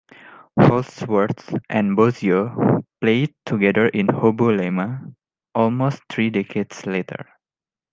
Holdsworth and Bozzio played together in HoBoLeMa almost three decades later.